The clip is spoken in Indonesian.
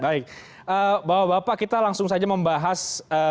baik bapak bapak kita langsung saja membahas